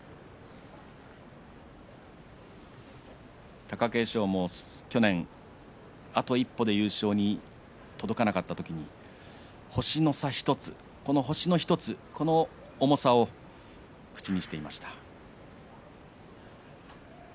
貴景勝も去年あと一歩で優勝に届かなかった時に星の差１つ、その１つの重さを口にしていました。